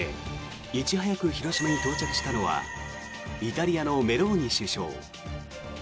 いち早く広島に到着したのはイタリアのメローニ首相。